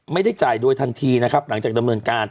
ไม่ได้จ่ายโดยทันทีนะครับหลังจากดำเนินการ